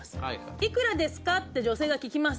いくらですかって女性が聞きます。